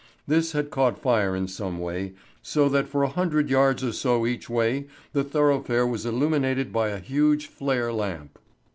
This had caught fire in some way, so that for a hundred yards or so each way the thoroughfare was illuminated by a huge flare lamp.